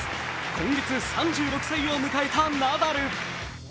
今月３６歳を迎えたナダル。